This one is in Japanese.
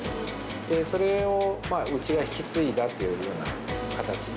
で、それをうちが引き継いだっていうような形で。